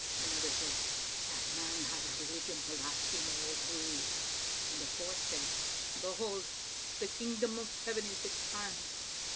Another said, " That man has a religion to last him all through." A fourth said, " Behold, the Kingdom of Heaven is at hand."